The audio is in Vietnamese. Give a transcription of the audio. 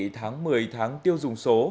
tháng một mươi tháng tiêu dùng số